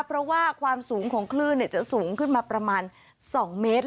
เพราะว่าความสูงของคลื่นจะสูงขึ้นมาประมาณ๒เมตร